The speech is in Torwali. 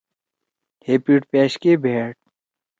ہے پیِڑپأشکے بھیڑ۔